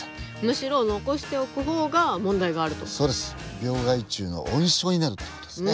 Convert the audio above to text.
病害虫の温床になるって事ですね。